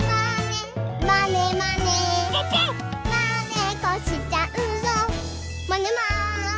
「まねっこしちゃうぞまねまねぽん！」